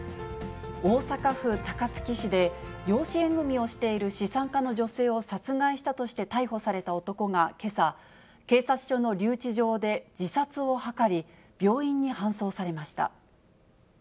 大阪府高槻市で、養子縁組みをしている資産家の女性を殺害したとして逮捕された男がけさ、警察署の留置場で自殺を図り、病院に搬送されました。